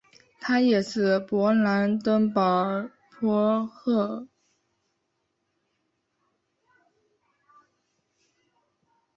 他也是勃兰登堡藩侯。